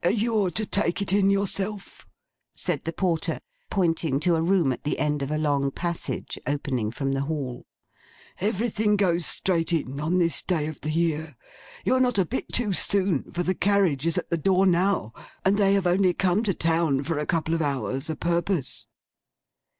'You're to take it in, yourself,' said the Porter, pointing to a room at the end of a long passage, opening from the hall. 'Everything goes straight in, on this day of the year. You're not a bit too soon; for the carriage is at the door now, and they have only come to town for a couple of hours, a' purpose.